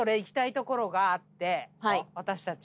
私たち。